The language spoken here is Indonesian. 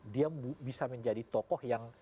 dia bisa menjadi tokoh yang